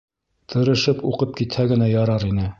Тырышып уҡып китһә генә ярар ине...